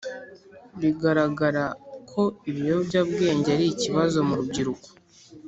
Biragaragara ko ibiyobyabwenge ari ikibazo mu rubyiruko.